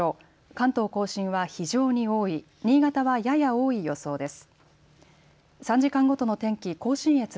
関東甲信は非常に多い、新潟はやや多い予想です。